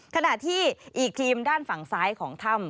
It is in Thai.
ขณะที่อีกทีมด้านฝั่งซ้ายของถ้ำ